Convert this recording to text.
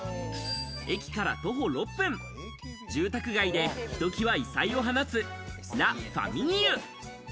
駅から徒歩６分、住宅街でひときわ異彩を放つラ・ファミーユ。